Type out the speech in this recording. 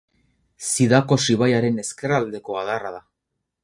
Zidakos ibaiaren ezkerraldeko adarra da.